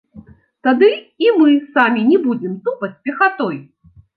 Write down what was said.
Тады і мы самі не будзем тупаць пехатой.